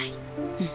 うん。